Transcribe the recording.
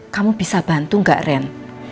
kamu bisa bantu gak ren